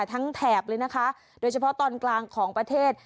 แถบเลยนะคะโดยเฉพาะตอนกลางของประเทศ